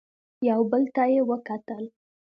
يو بل ته يې وکتل.